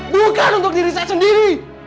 bukan untuk diri saya sendiri